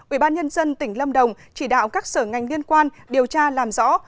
ubnd tỉnh lâm đồng chỉ đạo các sở ngành liên quan điều tra làm rõ